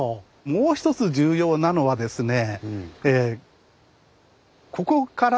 もう一つ重要なのはですね